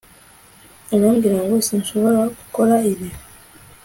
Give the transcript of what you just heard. urambwira ngo sinshobora gukora ibi